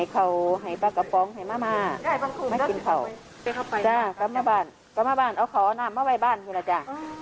ก็เจ้าตาบ่ายบ้านเฮียวราชา